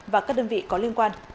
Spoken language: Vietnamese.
và các đơn vị có liên quan